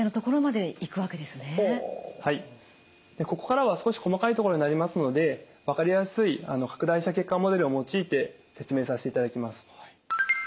ここからは少し細かい所になりますので分かりやすい拡大した血管モデルを用いて説明させていただきます。